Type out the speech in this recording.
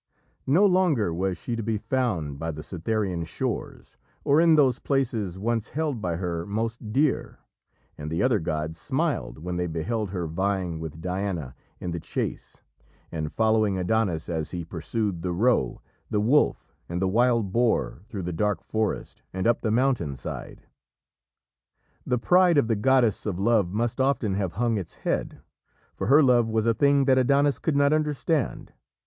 No longer was she to be found by the Cytherian shores or in those places once held by her most dear, and the other gods smiled when they beheld her vying with Diana in the chase and following Adonis as he pursued the roe, the wolf, and the wild boar through the dark forest and up the mountain side. The pride of the goddess of love must often have hung its head. For her love was a thing that Adonis could not understand.